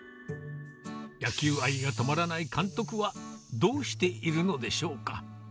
野球愛が止まらない監督はどうしているのでしょうか。